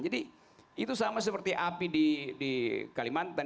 jadi itu sama seperti api di kalimantan